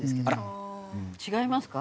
違いますか？